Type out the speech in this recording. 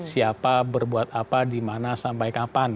siapa berbuat apa di mana sampai kapan